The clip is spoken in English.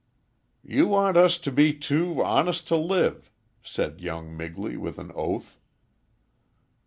"You want us to be too honest to live," said young Migley, with an oath.